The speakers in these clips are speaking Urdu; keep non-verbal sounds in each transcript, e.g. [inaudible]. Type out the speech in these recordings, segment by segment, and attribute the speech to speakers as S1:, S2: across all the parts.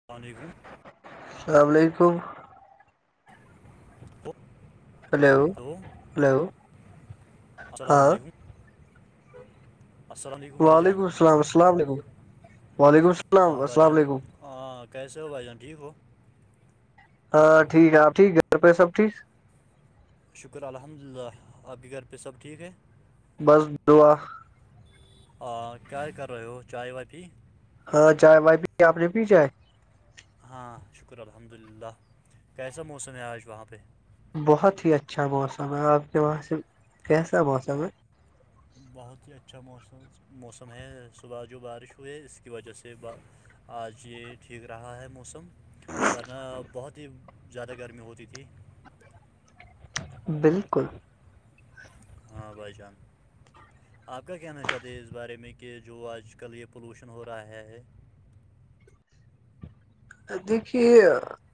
S1: السلام علیکم
S2: اللام علیکم ہلو ہلو
S1: السلام
S2: ہاں
S1: علیکم السلام علیکم بھائی جان
S2: وعلیکم السلام السلام علیکم وعلیکم السلام
S1: ہاں بھائی
S2: السلام
S1: جان
S2: علیکم
S1: ہاں کیسے ہو بھائی جان ٹھیک ہو
S2: ہاں ٹھیک ہے آپ ٹھیک گھر پہ سب ٹھیک
S1: شکر الحمد للہ آپ کے گھر پہ سب ٹھیک ہے
S2: بس دعا
S1: آ کیا کر رہے ہو چائے وائے پی
S2: ہاں جائے بائی پی آپ نے پی جائے
S1: ہاں شکر الحمد للہ کیسا موسم ہے آج وہاں پہ
S2: بہت ہی اچھا موسم ہے آپ کے وہاں سے کیسا موسم ہے
S1: بہت ہی اچھا موسم موسم ہے صبح جو بارش ہوئے اس کی وجہ سے سے ب آج یہ ٹھیک رہا ہے موسم ورنہ بہت ہی زیادہ گرمی ہوتی تھی
S2: بالکل
S1: ہاں بھ جان آپ کا کہنا چاہتے ہیں اس بارے میں کہ جو آج کل یہ پولوشن ہو رہا ہے
S2: دیکھیے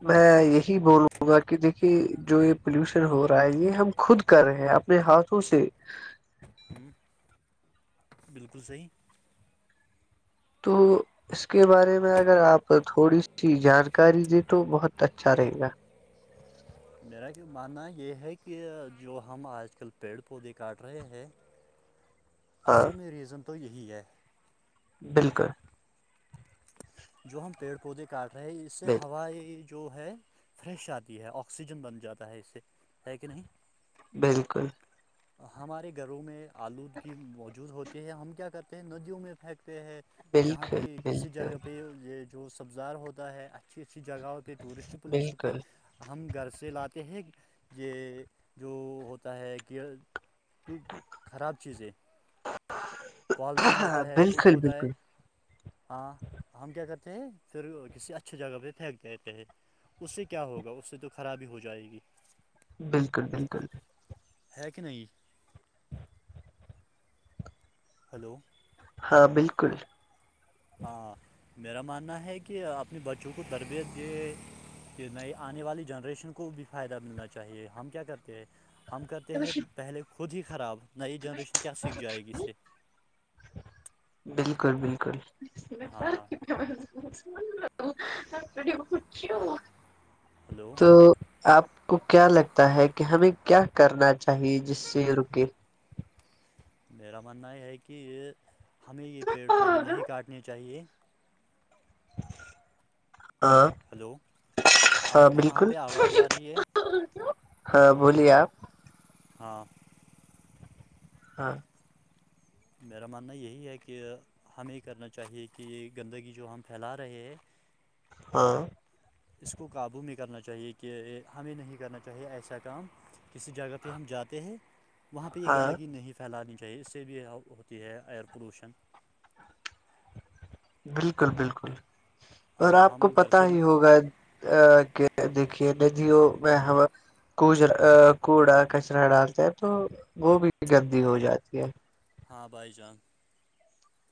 S2: میں یہی بولوں گا کہ دیکھیے جو یہ پولوشن ہو رہا ہے یہ ہم خود کر رہے ہیں اپنے ہاتھوں سے
S1: ہوں بالکل صحیح
S2: تو اس کے بارے میں اگر آپ تھوڑی سی جانکاری دیں تو بہت اچھا رہے گا
S1: میرا ماننا یہ ہے کہ جو ہم آج کل پیڑ پودے کاٹ رہے ہیں
S2: ہاں
S1: اصل میں ریزن تو یہی ہے
S2: بالکل
S1: جو ہم پیڑ پودے کاٹ رہے ہیں اس سے
S2: ب
S1: ہوائی جو ہے فریش آتی ہے آکسیجن بن جاتا ہے اس سے ہے کہ نہیں
S2: بالکل
S1: [inaudible] ہمارے گھروں میں آلودگی موجود ہوتی ہے ہم کیا کرتے ہیں ندیوں میں پھینکتے ہیں جہاں پہ
S2: بالکل
S1: کسی
S2: بالکل
S1: جگہ پرہ یہ جو سبزار ہوتا ہے اچھی اچھی جگہوں پہ ٹورسٹ پلیسوں پہ
S2: بالکل
S1: ہم گھر سے لاتے ہیں یہ جو ہوتا ہے کہ کھ خراب چیز ہے پالیتھین
S2: ہاں
S1: ہوتا ہے کچھ
S2: بالکل
S1: ہوتا ہے
S2: بالکل
S1: ہاں ہم کیا کرتے ہیں پھر کسی اچھی جگہ پہ پھینک دیتے ہیں اس سے کیا ہوگا اس سے تو خرابی ہو جائے گی
S2: بالکل بالکل
S1: ہے کہ نہیں ہلو
S2: ہاں بالکل
S1: ہاں میرا ماننا ہے کہ اپنے بچوں کو تربیت دے کہ نہیں آنے والی جنریشن کو بھی فائدہ ملنا چاہیے ہم کیا کرتے ہیں ہم کرتے ہیں پہلے خود ہی خراب نئی جنریشن کیا سیکھ جائے گی سے
S2: بالکل بالکل
S1: ہاں ہلو
S2: تو آپ کو کیا لگتا ہے کہ ہمیں کیا کرنا چاہیے جس سے رکے
S1: میرا ماننا یہ ہے کہ ہمیں یہ پیڑ پودے نہیں کاٹنے چاہیے ہ
S2: ہاں
S1: ہلو
S2: ہاں
S1: آپ کی وہاں
S2: بالکل
S1: پہ آواز آ رہی ہے
S2: ہاں بولیے آپ
S1: ہاں
S2: ہاں
S1: میرا ماننا یہی ہے کہ ہمیں کرنا چاہیے کہ گندگی جو ہم پھیلا رہے ہیں
S2: ہاں
S1: اس کو قابو میں کرنا چاہیے کہ ہمیں نہیں کرنا چاہیے ایسا کام کسی جگہ پہ ہم جاتے ہیں وہاں پہ یہ
S2: ہاں
S1: گندگی نہیں پھیلانی چاہیے اس سے بھی ہوتی ہے ایئر پولوشن
S2: بالکل بالکل اور
S1: ہاں
S2: آپ کو
S1: ہم گھر
S2: پت
S1: سے
S2: ہی ہوگا ا کہ دیکھیے ندیوں میں کوجرا کوڑا کچرا ڈالتا ہے تو وہ بھی گندی ہو جاتی ہے
S1: ہاں بھائی جان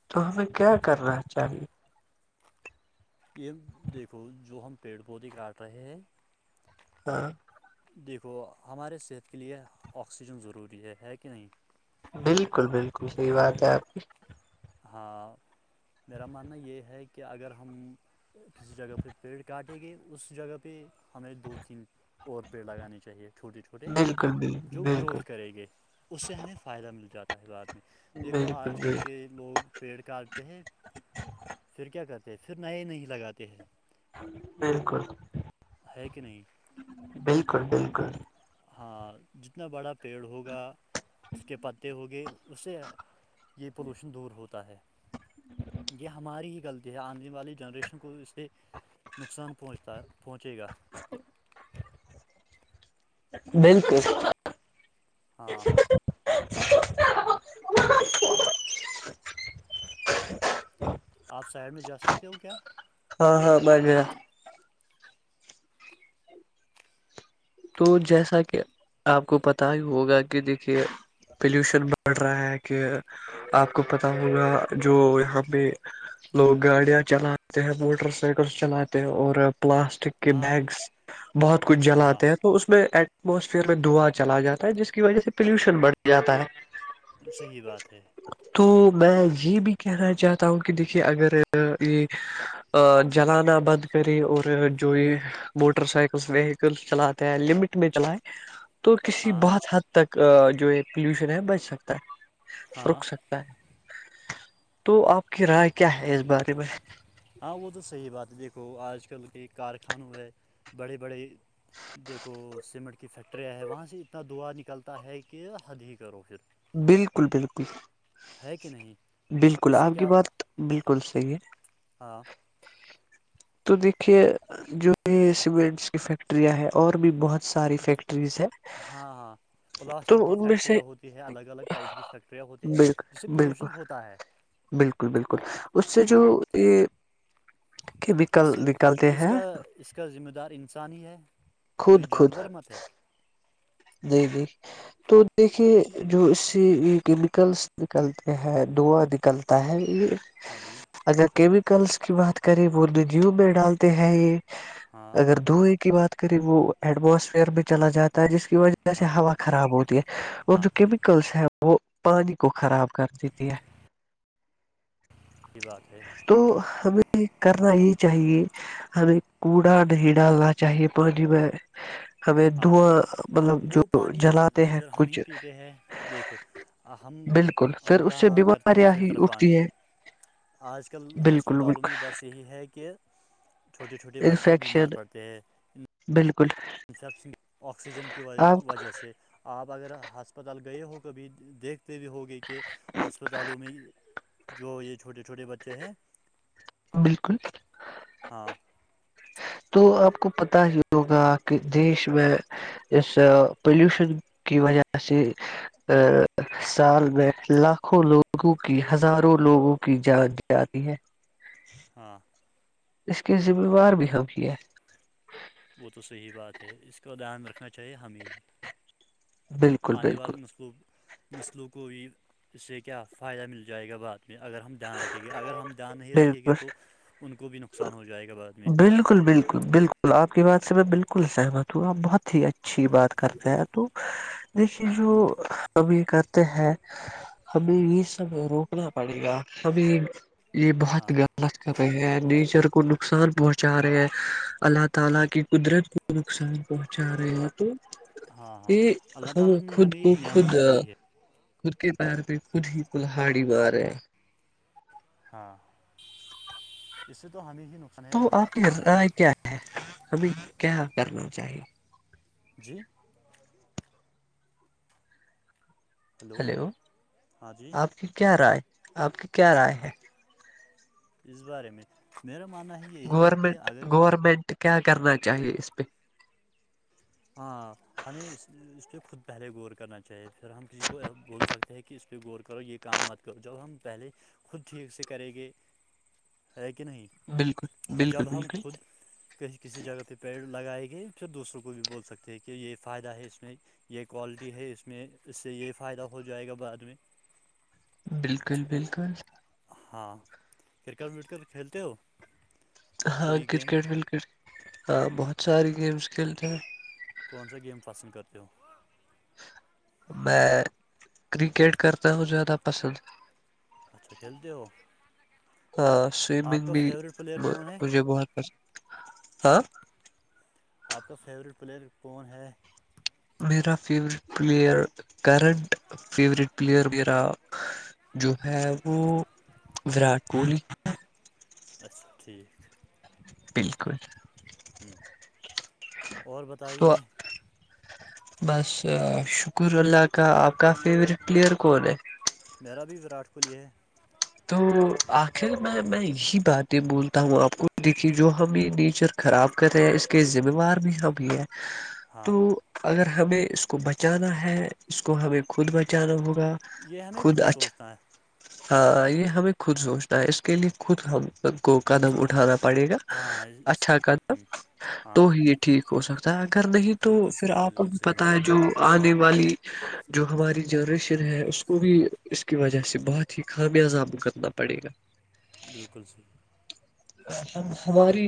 S2: تو ہمیں کیا کرنا چاہیے
S1: یہ دیکھو جو ہم پیڑ پودے کاٹ رہے ہیں
S2: ہاں
S1: دیکھو ہمارے صحت کے لیے آکسیجن ضروری ہے کہ نہیں
S2: بالکل بالکل صحیح بات ہے آپ کی
S1: ہاں میرا ماننا یہ ہے کہ اگر ہم کسی جگہ پہ پیڑ کاٹیں گے اس جگہ پہ ہمیں دو تین اور پیڑ لگانے چاہیے چھوٹے چھوٹے
S2: بالکل بالکل
S1: جو گروتھ کرے گے اس سے ہمیں فائدہ مل جاتا ہے بعد میں دیکھو
S2: بالکل
S1: آج کل
S2: بالکل
S1: کے لوگ پیڑ کا ہیں پھر کیا کرتے ہیں پھر نئے نہیں لگاتے ہیں
S2: بالکل
S1: ہے کہ نہیں
S2: بالکل بالکل
S1: ہاں جتنا بڑا پیڑ ہوگا اس کے پتے ہوگے اسے یہ پولوشن دور ہوتا ہے یہ ہماری ہی غلطی ہے آنے والی جنریشن کو اس سے نقصان پہنچتا پہنچے گا
S2: جی بالکل [unintelligible]
S1: ہاں آپ ساڈ میں جا سکتے ہو کیا
S2: ہاں ہاں بجےیا تو جیسا کہ آپ کو پت ہی ہوگا کہ دیکھیے پولوشن بڑھ رہا ہے کہ آپ کو پتا ہوگا جو یہاں پہ لوگ گاڑیاں چلاتے ہیں موٹر سائیکلس چلاتے ہیں اور پلاسٹک کے
S1: ہاں
S2: بیگس بہت کچھ جلاات
S1: ہاں
S2: تو اس میں ایٹموسفیئر میں دعا چلا جاتا ہے جس کی وجہ سے پلیوشن بڑھ جاتا ہے
S1: صحیح بات ہے
S2: تو میں یہ بھی کہنا چاہتا ہوں کہ دیکھیے اگر یہ جلانا بند کرے اور جو یہ موٹر سائیکلس ویکل چلاتے لمٹ میں چلائے تو کسی
S1: ہاں
S2: بہت حد ب تک جو ہے پلیوشن ہے بچ سکتا ہے
S1: ہاں
S2: رک سکتا تو آپ کی رائے کیا ہے اس بارے میں
S1: ہاں وہ تو صحیح بات ہے دیکھو آج کل کے کارخانوں ہے بڑے بڑے دیکھو سیمنٹ کی فیکٹریاں ہے وہاں سے اتنا دعا نکلتا ہے کہ حد ہی کرو پھر
S2: بالکل بالکل
S1: ہے کہ نہیں
S2: بالکل
S1: اس سے
S2: آپ کی
S1: کیا
S2: بات بالکل صحیح ہے
S1: ہاں
S2: تو دیکھیے جو سیمنٹس کی فیکٹریاں ہے اور بھی بہت ساری فیکٹریز ہے
S1: ہاں ہاں پلاسٹک کی
S2: سے
S1: فیکٹریاں ہوتی ہیں الگ الگ ٹائپ کی فیکٹریاں ہوتی ہیں جس سے
S2: بالکل
S1: پولوشن
S2: بالکل
S1: ہوتا ہے
S2: بالکل بالکل اس سے جو
S1: ہاں
S2: یہ کہ
S1: اس
S2: نکل
S1: سے
S2: نکلتے
S1: اس
S2: ہیں
S1: کا اس کا ذمہ دار انسان ہی ہے
S2: خود
S1: کوئی جانور مت ہے
S2: ج ج تو دیکھیے جو اس سے یہ کیمیکلس نکلتے ہیں دوا نکل
S1: ہاں جی
S2: [inaudible] اگر کیمیکلس کی بات کریں وہ ندیوں میں ڈالتے ہیں یہ
S1: ہاں
S2: اگر دھئےیں کی بات کریں وہ ایٹموسفیئر بھی چلا جاتا ہے جس کی وجہ سے جیسے
S1: ہاں
S2: ہوا خراب ہوتی ہے اور
S1: ہاں
S2: جو کیمیکلس ہیں وہ پانی کو خراب کر دیتی ہے
S1: یہ بات ہے
S2: تو ہمیں کرنا یہ چاہیے ہمیں کوڑا نہیں ڈالنا چاہیے پانی میں ہمیں
S1: ہاں
S2: دھواں مطلب
S1: وہ
S2: جو
S1: پانی
S2: جلاتے ہیں
S1: پھر ہم ہی
S2: کچھ
S1: پیتے ہیں دیکھو ہم
S2: بالکل پھر
S1: ہم
S2: اس
S1: کا
S2: سے
S1: کرتے ہیں
S2: بیماریاں ہی
S1: فلٹر پانی
S2: اٹھتی ہے
S1: آج کل
S2: بالکل
S1: ہسپتالوں میں
S2: بالکل
S1: بس یہی ہے کہ چھوٹے چھوٹے بچے بیمار
S2: انفیکشن
S1: پڑتے ہیں
S2: بالکل
S1: انفیکشن آکسیجن کی
S2: آپ
S1: وجہ سے آپ اگر ہسپتال گئے ہو کبھی دیکھ بھی ہوگئے کہ ہسپتالوں میں جو یہ چھوٹے چھوٹے بچے ہیں
S2: بالکل
S1: ہاں
S2: تو آپ کو پتا ہی ہوگا کہ دیش میں اس پلیوشن کی وجہ سے ا سال میں لاکھوں لوگوں کی ہزاروں لوگوں کی جانچ ج رہی ہے
S1: ہاں
S2: اس کی ذمہوار بھی ہم کی ہے
S1: وہ تو صحیح بات ہے اس کا دھیان رکھنا چے ہمد
S2: بالکل
S1: آنے
S2: بالکل
S1: والے نصلوب نسلوں کو بھی اس سے کیا فائدہ مل جائے گا بات میں اگر ہم دھیان رکھیں گے اگر ہم دھیان نہیں رکھیں گے
S2: بالکل
S1: تو ان کو بھی نقصان ہو جائے گا بعد میں
S2: بالکل بالکل بالکل آپ کی بات سے میں بالکل سہمت ہوں آپ بہت ہی اچ اچھی بات کرتے ہیں تو دیکھیے جو ہم یہ کرتے ہیں ہمیں یہ سب روکنا پڑے گا ہمیں یہ
S1: ہاں
S2: بہت مت کر رہے ہیں نیچر کو نقصان پہنچا رہے ہیں اللہ تعالی کی قدرت نقصان پہنچا رہے تو
S1: ہاں
S2: [unintelligible]
S1: ہاں
S2: یہ
S1: اللہ
S2: ہم
S1: تعالی نے
S2: خود
S1: ہمیں
S2: کو
S1: یہ
S2: خود
S1: نعمتیں دی ہے
S2: خود کے پار پہ خود ہی کلہڑی بار ہے
S1: ہاں اس سے تو ہمیں ہی ن
S2: تو آپ کی رائے کیا ہے ہمیں کیا کرنا چاہیے
S1: جی ہلو
S2: ہیلو
S1: ہاں جی
S2: آپ کی کیا رائے آپ کی کیا رائے ہے
S1: اس بارے میں میرا ماننا یہی ہے کہ اگر
S2: تو کیا کرنا چاہیے اس پہ
S1: ہاں ہمیں اس اس پہ خود پہلے غور کرنا چاہیے پھر ہم کسی کو بول سکتے ہیں کہ اس پہ غور کرو یہ کام مت جب ہم پہلے خود ٹھیک سے کریں گے ہے کہ نہیں
S2: بالکل بالکل
S1: جب ہم
S2: بالکل
S1: خود کسی جگہ پہ پیڑ لگائے گئے پھر دوسروں کو بھی بولتے سکتے ہیں کہ یہ فائدہ ہے اس میں یہ کوالٹی ہے اس میں اس سے یہ فائدہ ہو جائے گا بعد میں
S2: بالکل بالکل
S1: ہاں کرکٹ وٹکٹ کھیلتے ہو
S2: ہاں
S1: کوئی گیم
S2: کرکٹ وکٹ ہاں بہت سارے گیمس کھیلتے ہیں
S1: کون سا گیم پسند کرتے ہو
S2: میں کرکٹ کرتا ہوں زیادہ پسند
S1: اچھا کھیلتے ہو
S2: ہاں سوئمنگ
S1: آپ کا
S2: بھی
S1: فیوریٹ پلیئر کون ہے
S2: مجھے بہت پسند ہاں
S1: آپ کا فیوریٹ پلیئر کون ہے
S2: میرا favourite player current favourite player میرا جو ہے وہ وراٹ کوہلی
S1: اچھا ٹھیک
S2: بالکل
S1: ہ اور
S2: تو
S1: بتائیے
S2: بس شکر اللہ کا آپ کا فیورورٹ پلیئر کون ہے
S1: میرا بھی وراٹ کوہلی ہے
S2: تو آخر میں میں یہی باتیں بولتا ہوں آپ کو دیکھیے جو ہم یہ نیچر خراب کرے ہیں اس کے ذمہوار بھی ہم بھی ہے
S1: ہاں
S2: تو اگر ہمیں اس کو بچانا ہے اس کو ہمیں خود بچانا ہوگا
S1: یہ ہ ن ہے خود سوچتانا ا
S2: ہاں یہ ہمیں خود سوچنا ہے اس کے لیے خود ہم کو قدم اٹھانا پڑے گا
S1: ہاں اس
S2: اچھا قدم تو
S1: ہاں
S2: ہی ٹھیک ہو سکتا ہے اگر نہیں تو
S1: بالکل
S2: پھر
S1: صحیح
S2: آپ کو
S1: بالکل
S2: بھی
S1: صحیح
S2: پتہ
S1: بھائی
S2: ہے
S1: جان
S2: جو آنے والی جو ہماری جنریشن ہے اس کو بھی اس کی وجہ سے بہت ہی خامیازاب کرنا پڑے گا
S1: بالکل صحیح
S2: ہم ہماری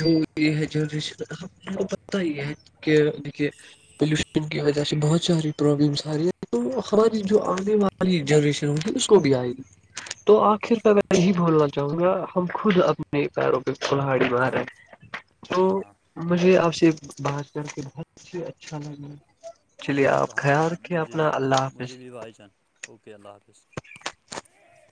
S2: جو یہ ہے جنریشن ہم کو پت ہی ہے کہ دیکھیے پولوشن کی وجہ سے بہت ساری پرابلمس آ رہی ہے تو ہماری جو آنے والی جنریشن ہگی اس کو بھی آئے گی تو
S1: بالکل
S2: آخر کا
S1: صحیح
S2: میں یہی بولنا چاہوں گا ہم خود اپنے پیروں پہ فلہڑی بارے تو
S1: ہاں ہاں
S2: مجھے آپ سے بات کر کے بہت اچھا لگا چلیے آپ
S1: ہاں
S2: خیال رکھیے
S1: مجھے بھی
S2: اپنا اللہ
S1: مجھے
S2: حافظ
S1: بھی بھائی جان اوکے اللہ حافظ
S2: [inaudible]